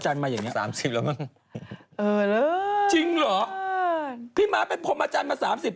จริงเหรอพี่มาเป็นผ่มอาจารย์มา๓๐ปี